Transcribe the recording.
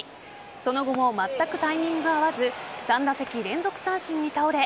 その後もまったくタイミングが合わず３打席連続三振に倒れ